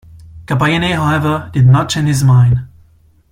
Kappeyene however did not change his mind.